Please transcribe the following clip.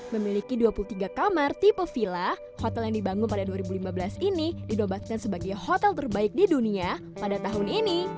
memiliki dua puluh tiga kamar tipe villa hotel yang dibangun pada dua ribu lima belas ini dinobatkan sebagai hotel terbaik di dunia pada tahun ini